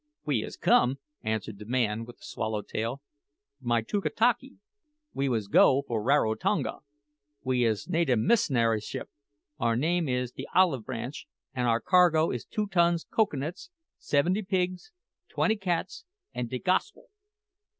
"We is come," answered the man with the swallow tail, "from Aitutaki; we was go for Rarotonga. We is native miss'nary ship; our name is de Olive Branch; an' our cargo is two tons cocoa nuts, seventy pigs, twenty cats, and de Gosp'l."